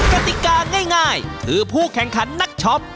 กติกาง่ายคือผู้แข่งขันนักช็อป